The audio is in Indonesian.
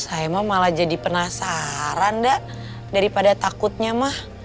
saya mah malah jadi penasaran dak daripada takutnya mah